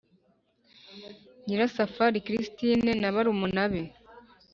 Nyirasafari christine na barumuna be